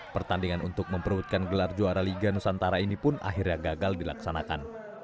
pertandingan untuk memperbutkan gelar juara liga nusantara ini pun akhirnya gagal dilaksanakan